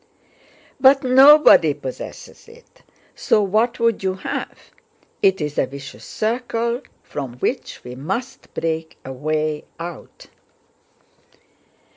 "But nobody possesses it, so what would you have? It is a vicious circle from which we must break a way out."